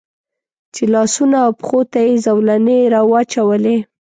چې لاسونو او پښو ته یې زولنې را واچولې.